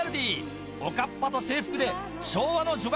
おかっぱと制服で昭和の女